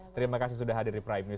terima kasih sudah hadir di prime news